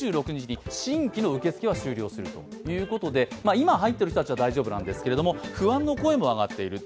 今、入っている人たちは大丈夫なんですが不安の声も上がっている。